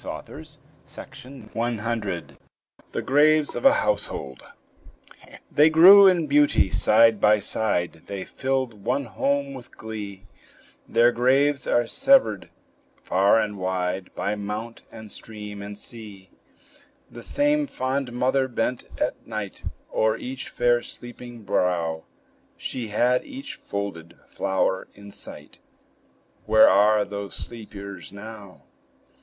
WILLIAM HOWITT THE GRAVES OF A HOUSEHOLD They grew in beauty, side by side, They filled one home with glee; Their graves are severed far and wide, By mount, and stream, and sea. The same fond mother bent at night O'er each fair, sleeping brow; She had each folded flower in sight: Where are those sleepers now?